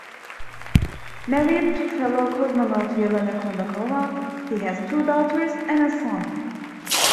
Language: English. Married to fellow cosmonaut Yelena Kondakova, he has two daughters and a son.